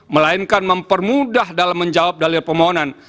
melainkan mempermudah dalam menjawab dalil permohonan